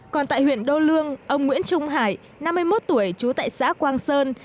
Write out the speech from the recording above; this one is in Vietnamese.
còn tại huyện đô lương ông nguyễn trung hải năm mươi một tuổi trú tại xã quang sơn